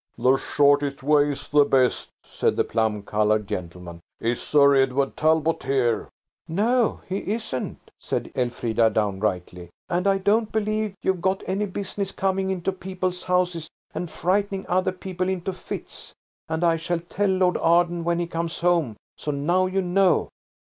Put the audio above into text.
"The shortest way's the best," said the plum coloured gentleman. "Is Sir Edward Talbot here?" "No, he isn't," said Elfrida downrightly, "and I don't believe you've got any business coming into people's houses and frightening other people into fits, and I shall tell Lord Arden when he comes home. So now you know."